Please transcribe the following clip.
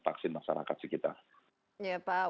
vaksin masyarakat sekitar ya pak